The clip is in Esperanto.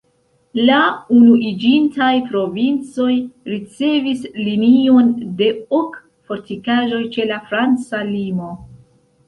La Unuiĝintaj Provincoj ricevis linion de ok fortikaĵoj ĉe la franca limo.